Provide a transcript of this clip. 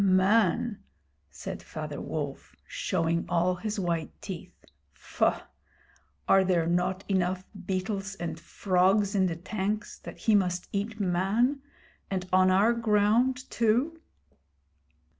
'Man!' said Father Wolf, showing all his white teeth. 'Faugh! Are there not enough beetles and frogs in the tanks that he must eat Man, and on our ground too!'